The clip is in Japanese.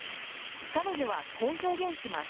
彼女はこう表現します。